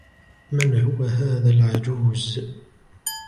من هو هذا العجوز ؟